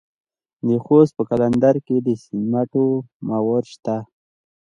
د خوست په قلندر کې د سمنټو مواد شته.